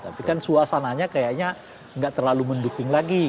tapi kan suasananya kayaknya nggak terlalu mendukung lagi